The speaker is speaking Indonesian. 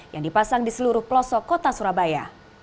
yang dipasang di seluruh pelosok kota surabaya